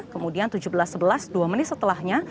kemudian tujuh belas sebelas dua menit setelahnya